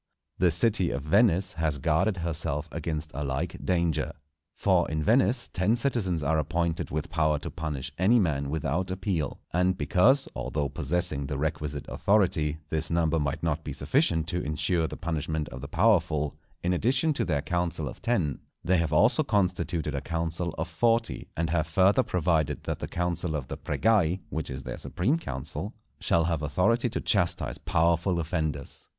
The city of Venice has guarded herself against a like danger. For in Venice ten citizens are appointed with power to punish any man without appeal; and because, although possessing the requisite authority, this number might not be sufficient to insure the punishment of the powerful, in addition to their council of Ten, they have also constituted a council of Forty, and have further provided that the council of the "Pregai," which is their supreme council, shall have authority to chastise powerful offenders.